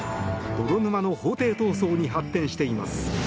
泥沼の法廷闘争に発展しています。